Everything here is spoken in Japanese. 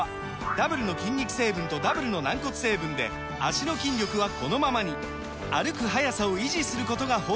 ダブルの筋肉成分とダブルの軟骨成分で脚の筋力はこのままに歩く速さを維持することが報告されています